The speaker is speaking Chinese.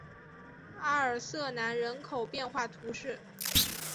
阿尔瑟南人口变化图示